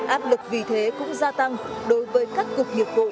áp lực vì thế cũng gia tăng đối với các cục nghiệp vụ